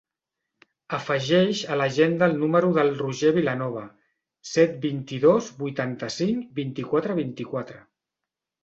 Afegeix a l'agenda el número del Roger Vilanova: set, vint-i-dos, vuitanta-cinc, vint-i-quatre, vint-i-quatre.